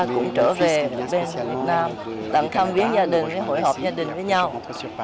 cũng trở về bên việt nam